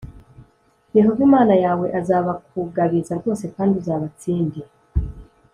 Yehova Imana yawe azabakugabiza rwose kandi uzabatsinde.